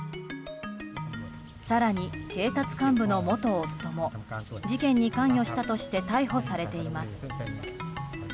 更に、警察幹部の元夫も事件に関与したとして逮捕されています。